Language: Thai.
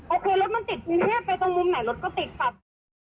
โอเครถมันติดไปตรงมุมไหนรถก็ติดครับ